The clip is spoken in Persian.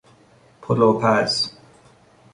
پلوپز